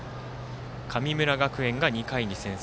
神村学園が２回に先制。